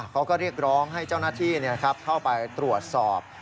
เขาก็เรียกร้องให้เจ้าหน้าที่เข้าไปตรวจสอบ